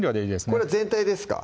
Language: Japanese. これ全体ですか？